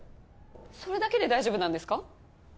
それだけで大丈夫なんですか？